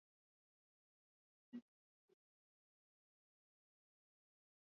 Shukuru mungu na ile una pata